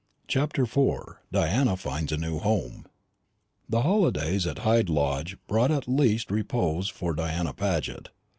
CHAPTER IV. DIANA FINDS A NEW HOME. The holidays at Hyde Lodge brought at least repose for Diana Paget.